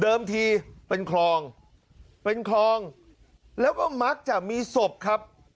ทีเป็นคลองเป็นคลองแล้วก็มักจะมีศพครับ